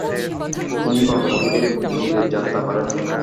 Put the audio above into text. তিনি কলকাতা থেকে বিলেত যাত্রা করেন।